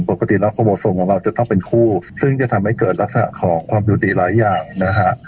ปกติแล้วคนเหมาะสมของเราจะต้องเป็นคู่ซึ่งจะทำให้เกิดลักษณะของความผิดหลายอย่างนะฮะ